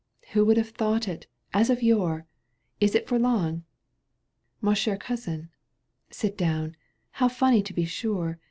" Who would have thought it ? As of yore ! Is it for long ?"—" Ma chere cousine !"" Sit down. How funny, to be sure